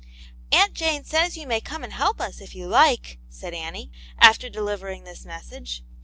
" Aunt Jane says you may come and help us, if you like," said Annie, after delivering this message.